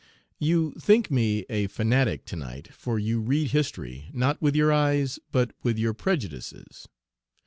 You think me a fanatic to night, for you read history, not with your eyes, but with your prejudices.